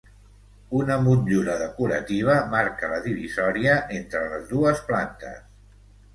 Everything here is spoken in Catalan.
Una motllura decorativa marca la divisòria entre les dues plantes.